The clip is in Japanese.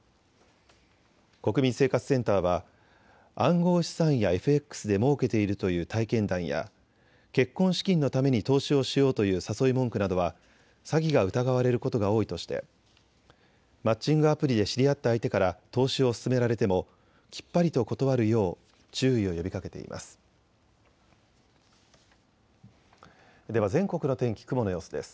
国民生活センターは暗号資産やＦＸでもうけているという体験談や結婚資金のために投資をしようという誘い文句などは詐欺が疑われることが多いとしてマッチングアプリで知り合った相手から投資を勧められてもきっぱりと断るよう注意を呼びかけています。